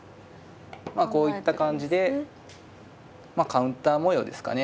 まあこういった感じでカウンター模様ですかね。